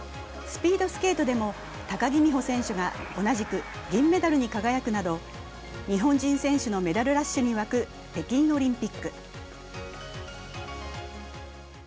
スピードスケートでも高木美帆選手が同じく銀メダルに輝くなど、日本人選手のメダルラッシュに沸く北京オリンピック。